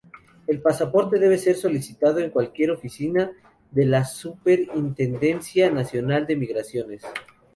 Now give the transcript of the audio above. El pasaporte debe ser solicitado en cualquier oficina de la Superintendencia Nacional de Migraciones.